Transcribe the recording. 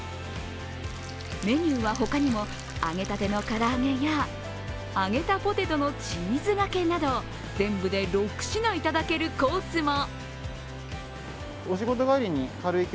メニューは、他にも、揚げたての唐揚げや揚げたポテトのチーズがけなど、全部で６品いただけるコースも。